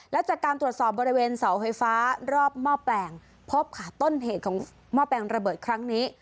และจากการตรวจสอบบริเวณเสาไฟฟ้ารอบหม้อแปลงพบค่ะต้นเหตุของหม้อแปลงระเบิดครั้งนี้